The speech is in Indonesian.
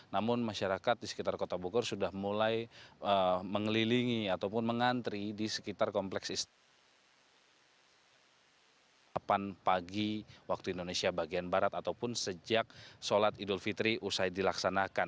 namun masyarakat di sekitar kota bogor sudah mulai mengelilingi ataupun mengantri di sekitar kompleks istana